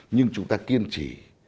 nhưng chúng ta kiên trì